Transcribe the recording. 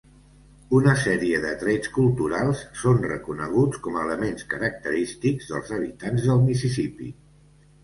Una sèrie de trets culturals són reconeguts com a elements característics dels habitants del Mississipí.